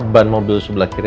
ban mobil sebelah kiri